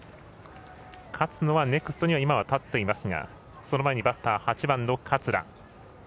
勝野はネクストには今は立っていますがその前にバッター８番の桂。